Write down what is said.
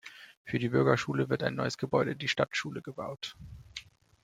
Für die Bürgerschule wird ein neues Gebäude, die Stadtschule gebaut.